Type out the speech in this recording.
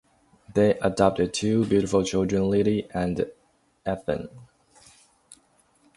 They adopted two beautiful children, Lily and Ethan.